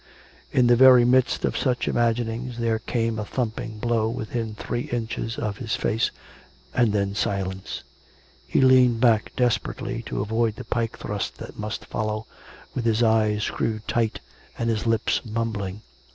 In the very midst of such imaginings there came a thumping blow within three inches of his face, and then silence. He leaned back des perately to avoid the pike thrust that must follow, with his eyes screwed tight and his lips mumbling.